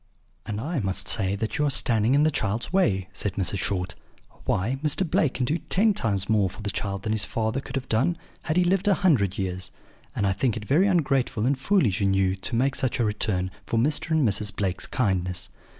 "'And I must say that you are standing in the child's way,' said Mrs. Short. 'Why, Mr. Blake can do ten times more for the child than his father could have done, had he lived a hundred years; and I think it very ungrateful and foolish in you to make such a return for Mr. and Mrs. Blake's kindness.'